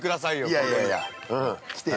◆いやいやいや、来てよ。